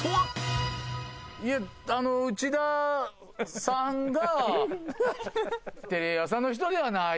内田さんがテレ朝の人ではない。